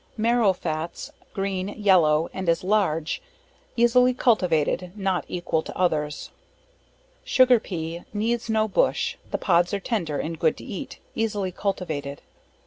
Marrow Fats, green, yellow, and is large, easily cultivated, not equal to others. Sugar Pea, needs no bush, the pods are tender and good to eat, easily cultivated.